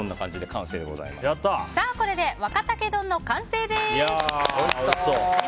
これで若竹丼の完成です。